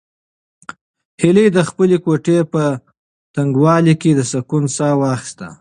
هیلې د خپلې کوټې په تنګوالي کې د سکون ساه واخیسته.